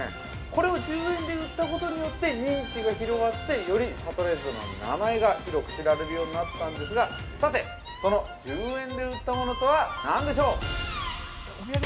これを１０円で売ったことによって認知が広がってよりシャトレーゼさんの名前が広く知られるようになったんですが、さて、その１０円で売ったものとは、何でしょう？